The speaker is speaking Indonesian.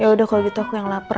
yaudah kalau gitu aku yang lapar